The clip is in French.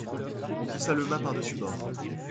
On poussa le mât par-dessus le bord.